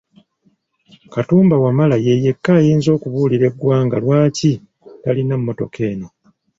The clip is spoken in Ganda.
Katumba Wamala ye yekka ayinza okubuulira eggwanga lwaki talina mmotoka eno.